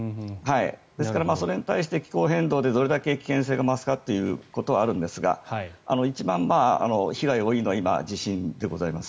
ですからそれに対して気候変動でどれだけ危険が増すかということはあるんですが一番被害が多いのは今、地震でございます。